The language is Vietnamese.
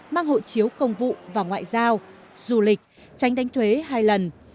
mang hộ chiếu công vụ và ngoại giao du lịch tránh đánh thuế hai lần